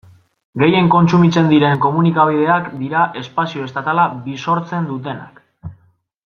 Gehien kontsumitzen diren komunikabideak dira espazio estatala bisortzen dutenak.